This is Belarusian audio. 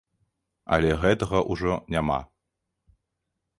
Але гэтага ўжо няма.